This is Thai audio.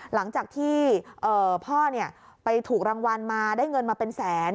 หลังจากที่พ่อไปถูกรางวัลมาได้เงินมาเป็นแสน